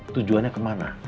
tujuannya ke mana